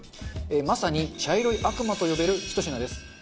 まさに茶色い悪魔と呼べるひと品です。